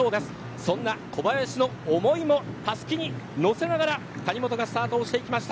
そんな小林の思いもたすきに乗せながらスタートしました。